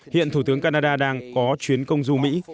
hiện thủ tướng canada đang có chuyến công du mỹ